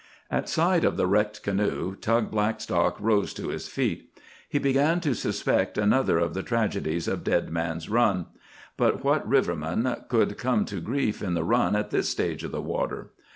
At sight of the wrecked canoe, Tug Blackstock rose to his feet. He began to suspect another of the tragedies of Dead Man's Run. But what river man would come to grief in the Run at this stage of the water?